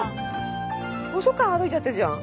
図書館歩いちゃってるじゃん。